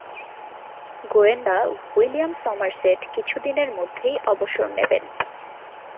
গোয়েন্দা "William Somerset" কিছুদিনের মধ্যেই অবসর নেবেন।